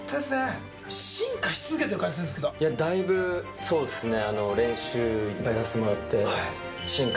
いやだいぶそうですね。